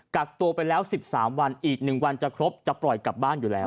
กักตัวไปแล้ว๑๓วันอีก๑วันจะครบจะปล่อยกลับบ้านอยู่แล้ว